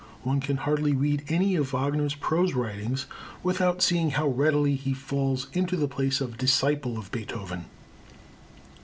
One can hardly read any of Wagner's prose writings without seeing how readily he falls into the place of disciple of Beethoven.